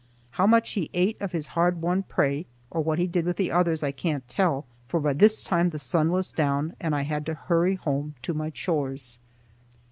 How much he ate of his hard won prey, or what he did with the others, I can't tell, for by this time the sun was down and I had to hurry home to my chores.